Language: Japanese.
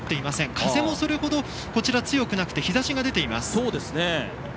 風もそれほど強くなくて日ざしが出ています。